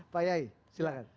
pak yayi silakan